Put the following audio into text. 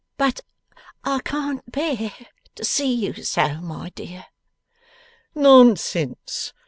'But I can't bear to see you so, my dear.' 'Nonsense!